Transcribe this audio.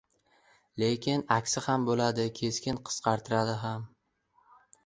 Lekin aksi ham bo‘ladi – keskin qisqartiradi ham.